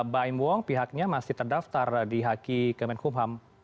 baim wong pihaknya masih terdaftar di haki kemenkumham